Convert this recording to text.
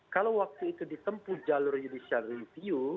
kalau waktu itu ditempuh jalur judicial review